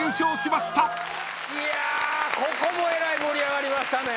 いやここもえらい盛り上がりましたね。